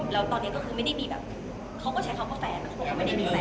แล้วตอนนี้ก็คือไม่ได้มีแบบเขาก็ใช้คำว่าแฟนแต่เขาก็ไม่ได้มีแฟน